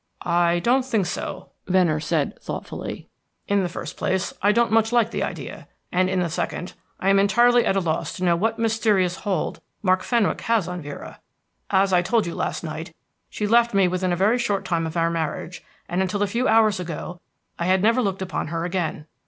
"I don't think so," Venner said thoughtfully. "In the first place, I don't much like the idea; and in the second, I am entirely at a loss to know what mysterious hold Mark Fenwick has on Vera. As I told you last night, she left me within a very short time of our marriage, and until a few hours ago I had never looked upon her again.